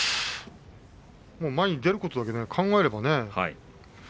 もう前に出ることだけ考えればね